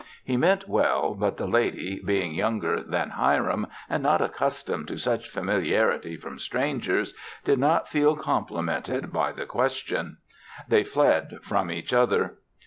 He meant well but the lady, being younger than Hiram and not accustomed to such familiarity from strangers, did not feel complimented by the question. They fled from each other.